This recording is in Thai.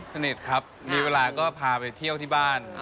สนิทครับมีเวลาก็พาไปเที่ยวที่บ้าน